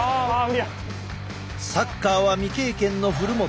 サッカーは未経験の古元。